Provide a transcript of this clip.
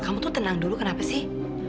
kamu tuh tenang dulu kenapa sih